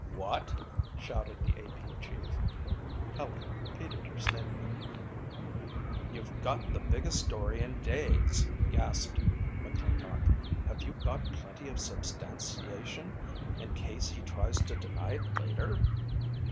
"What!" shouted the A.P. chief. Helen repeated her statement. "You've got the biggest story in days," gasped McClintock. "Have you got plenty of substantiation in case he tries to deny it later."